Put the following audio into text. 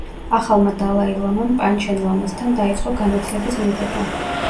ახალმა დალაი ლამამ პანჩენ ლამასთან დაიწყო განათლების მიღება.